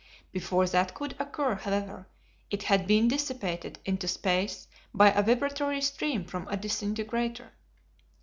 Before that could occur, however, it had been dissipated into space by a vibratory stream from a disintegrator.